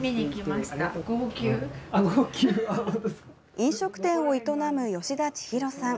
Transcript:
飲食店を営む吉田千裕さん。